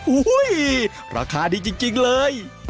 โอ้โฮราคาดีจริงเลย